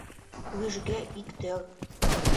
Рӱжге, иктӧр.